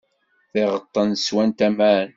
Tiɣeṭṭen swant aman.